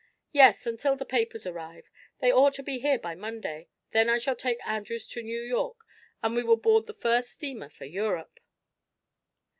"Yes, until the papers arrive. They ought to be here by Monday. Then I shall take Andrews to New York and we will board the first steamer for Europe."